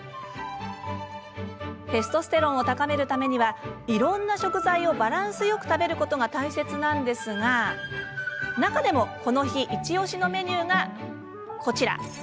テストステロンを高めるためにはいろんな食材をバランスよく食べることが大切なんですがその中でも、この日イチおしのメニューがこちら。